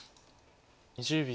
２０秒。